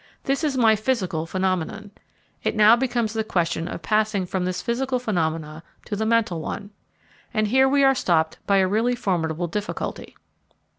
This is my physical phenomenon. It now becomes the question of passing from this physical phenomena to the mental one. And here we are stopped by a really formidable difficulty.